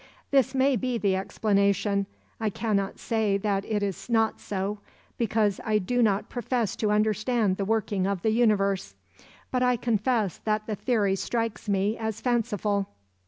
This may be the explanation. I cannot say that it is not so, because I do not profess to understand the working of the universe. But I confess that the theory strikes me as fanciful.